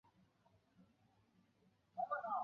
奥尔梅尔斯维莱。